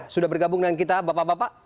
sudah bergabung dengan kita bapak bapak